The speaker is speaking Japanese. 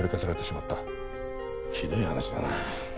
ひどい話だな。